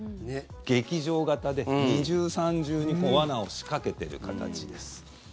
劇場型で、二重三重に罠を仕掛けてる形です。